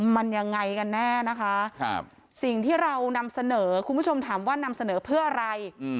มันยังไงกันแน่นะคะสิ่งที่เรานำเสนอคุณผู้ชมถามว่านำเสนอเพื่ออะไร